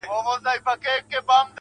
كه به زما په دعا كيږي.